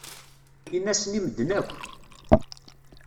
Ini-asen i medden akk.